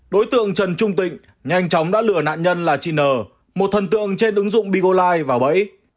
đối tượng trần trung tịnh nhanh chóng đã lừa nạn nhân là chị n một thần tượng trên ứng dụng bigolai vào bẫy